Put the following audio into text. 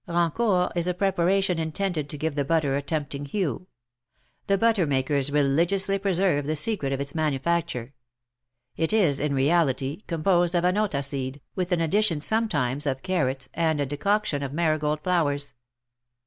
Rancourt is a preparation intended to give the butter a tempting hue. The butter makers religiously preserve the secret of its manufacture. It is, in reality, composed of anotta seed, with an addition sometimes of carrots, and a decoction of marigold flowers.